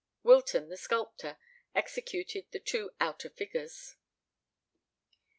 Wilton, the sculptor, executed the two outer figures.